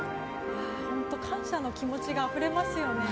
本当に感謝の気持ちがあふれますよね。